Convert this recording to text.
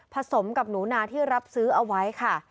สมกับหนูนาที่รับซื้อเอาไว้ค่ะ